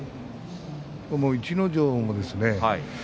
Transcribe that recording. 逸ノ城もですね